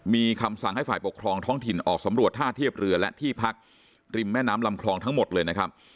มีคำสั่งให้ฝ่ายปกครองท้องถิ่นออกสำรวจท่าเทียบเรือและที่พักริมแม่น้ำลำคลองทั้งหมดเลยนะครับ